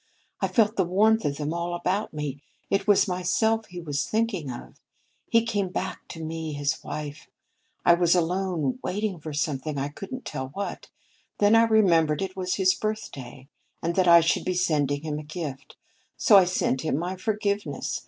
I felt the warmth of them all about me. It was myself he was thinking of. He came back to me, his wife! I was alone, waiting for something, I couldn't tell what. Then I remembered it was his birthday, and that I should be sending him a gift. So I sent him my forgiveness.